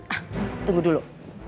ah tunggu dulu